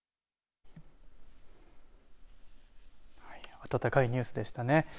あたたかいニュースでしたね。